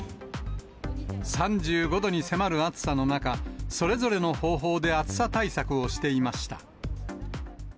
３５度に迫る暑さの中、それぞれの方法で暑さ対策をしていました。